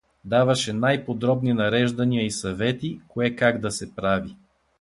Даваше най-подробни нареждания и съвети, кое как да се прави.